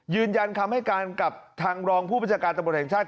ยืนยันคำให้การกับทางรองผู้พจการตะบดแห่งชาติ